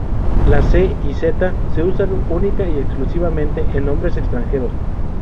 La C y Z se usan única y exclusivamente en nombres extranjeros.